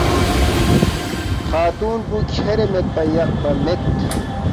خاتُون پو کھیرے میدپا یقپا مید